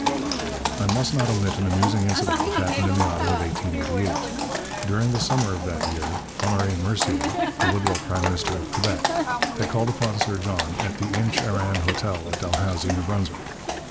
I must not omit an amusing incident which happened in the autumn of 1888. During the summer of that year Honoré Mercier, the Liberal prime minister of Quebec, had called upon Sir John at the Inch Arran hotel at Dalhousie, New Brunswick.